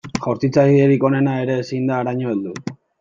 Jaurtitzailerik onena ere ezin da haraino heldu.